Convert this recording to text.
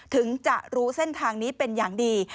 ถึงจะรู้เส้นทางนี้เป็นอย่างดี